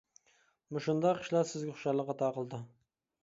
مۇشۇنداق ئىشلار سىزگە خۇشاللىق ئاتا قىلىدۇ.